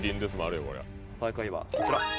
最下位はこちら！